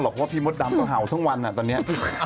เพราะว่าพี่มดดำต้องเห่าทั้งวันตอนนี้